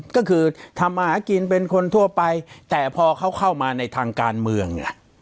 ก็คือทำมาหากินเป็นคนทั่วไปแต่พอเขาเข้ามาในทางการเมือง